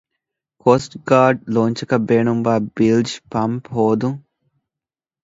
ކޯސްޓްގާޑް ލޯންޗަކަށް ބޭނުންވާ ބިލްޖް ޕަމްޕެއް ހޯދުން